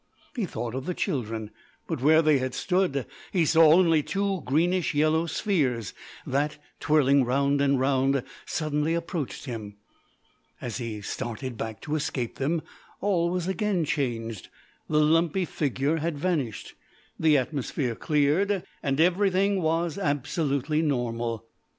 He thought of the children; but where they had stood he saw only two greenish yellow spheres that, twirling round and round, suddenly approached him. As he started back to escape them, all was again changed. The lumpy figure had vanished, the atmosphere cleared, and everything was absolutely normal.